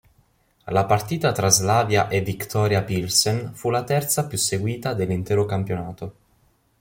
La partita tra Slavia e Viktoria Pilsen fu la terza più seguita dell'intero campionato.